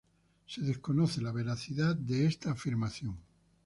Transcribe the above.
Se desconoce la veracidad de esta afirmación.